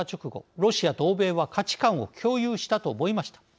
ロシアと欧米は価値観を共有したと思いました。